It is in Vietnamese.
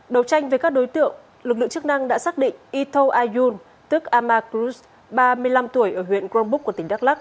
đầu tranh với các đối tượng lực lượng chức năng đã xác định ito ayun tức amakrus ba mươi năm tuổi ở huyện grombuk của tỉnh đắk lắc